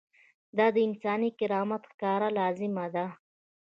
دا د انساني کرامت ښکاره لازمه ده.